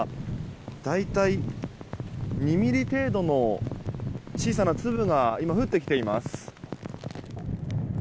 大体、２ｍｍ程度の小さな粒が今、降ってきています。